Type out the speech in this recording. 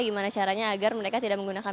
gimana caranya agar mereka tidak menggunakan